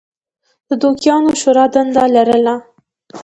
د دوکیانو شورا دنده لرله.